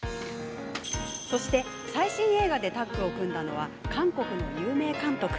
そして最新映画でタッグを組んだのは韓国の有名監督。